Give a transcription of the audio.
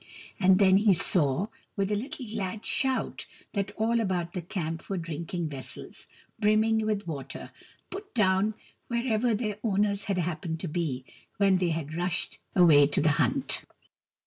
And then he saw, with a little glad shout, that all about the camp were drinking vessels, brimming with water— put down wherever their owners had happened to be when they had rushed away to the hunt.